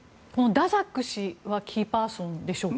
ダザック氏はキーパーソンでしょうか？